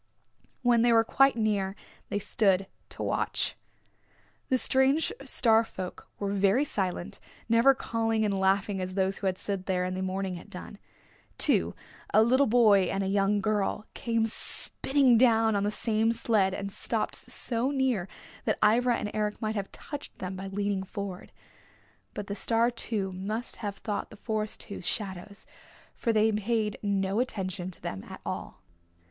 When they were quite near they stood to watch. The strange Star folk were very silent, never calling and laughing as those who had slid there in the morning had done. Two, a little boy and a young girl, came spinning down on the same sled and stopped so near that Ivra and Eric might have touched them by leaning forward. But the Star two must have thought the Forest two shadows, for they paid no attention to them at all.